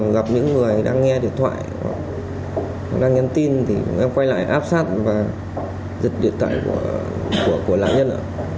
gặp những người đang nghe điện thoại đang nhắn tin thì em quay lại áp sát và giật điện thoại của lạ nhân ạ